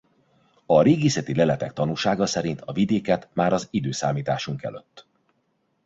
A régészeti leletek tanúsága szerint a vidéket már az i.e.